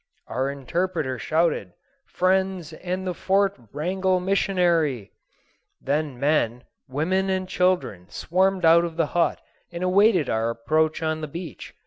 Our interpreter shouted, "Friends and the Fort Wrangell missionary." Then men, women, and children swarmed out of the hut, and awaited our approach on the beach.